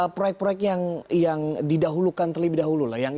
proyek proyek yang didahulukan terlebih dahulu lah